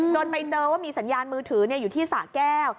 ไปเจอว่ามีสัญญาณมือถืออยู่ที่สะแก้ว